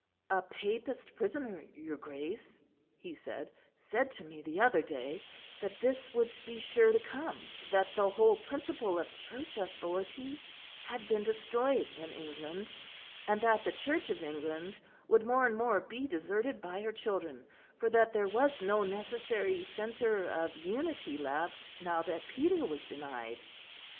"A Papist prisoner, your Grace," he said, "said to me the other day that this would be sure to come: that the whole principle of Church authority had been destroyed in England; and that the Church of England would more and more be deserted by her children; for that there was no necessary centre of unity left, now that Peter was denied."